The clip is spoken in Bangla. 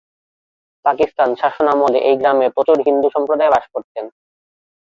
পাকিস্তান শাসনামলে এই গ্রামে প্রচুর হিন্দু সম্প্রদায় বাস করতেন।